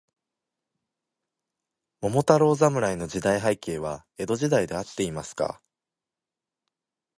桃太郎侍の時代背景は、江戸時代であっていますか。